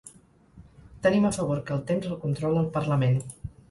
Tenim a favor que el temps el controla el parlament.